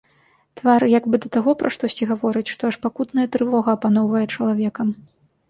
Твар як бы да таго пра штосьці гаворыць, што аж пакутная трывога апаноўвае чалавекам!